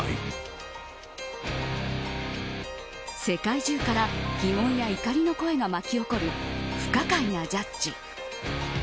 世界中から疑問や怒りの声が巻き起こる不可解なジャッジ。